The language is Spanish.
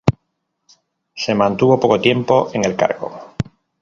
Se mantuvo poco tiempo en el cargo.